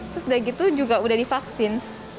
terus udah gitu juga udah divaksin